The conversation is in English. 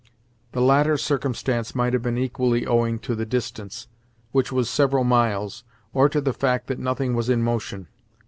The latter circumstance might have been equally owing to the distance, which was several miles, or to the fact that nothing was in motion.